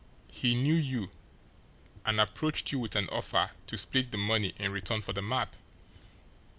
He KNEW you, and approached you with an offer to split the money in return for the map.